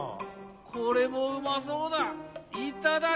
これもうまそうだ。